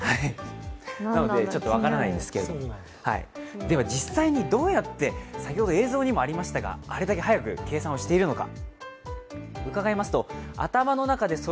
なので、分からないんですけれども実際にどうやって、先ほど映像にもありましたがあれだけ速く計算をしているのか。